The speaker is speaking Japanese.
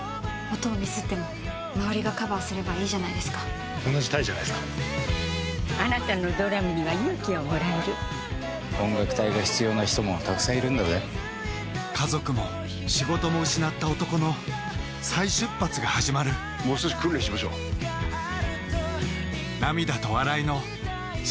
音をミスっても周りがカバーすればいいじゃないですか同じ隊じゃないですか・あなたのドラムには勇気をもらえる・音楽隊が必要な人もたくさんいるんだぜ家族も仕事も失った男の再出発がはじまるもう少し訓練しましょうよし！